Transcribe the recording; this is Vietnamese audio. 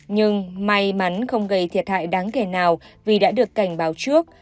nhưng may mắn không gây thiệt hại đáng kể nào vì đã được cảnh báo trước